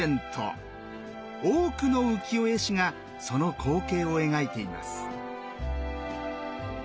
多くの浮世絵師がその光景を描いています。